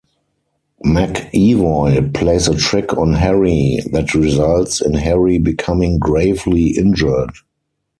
McEvoy plays a trick on Harry that results in Harry becoming gravely injured.